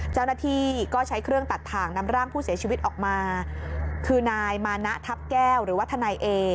เจ้าหน้าที่ก็ใช้เครื่องตัดถ่างนำร่างผู้เสียชีวิตออกมาคือนายมานะทัพแก้วหรือว่าทนายเอ